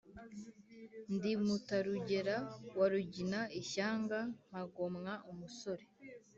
ndi mutarugera wa rugina, ishyanga mpagomwa umusore.